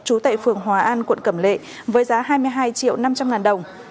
chú tệ phường hòa an quận cẩm lệ với giá hai mươi hai triệu năm trăm linh ngàn đồng